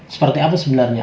seperti apa sebenarnya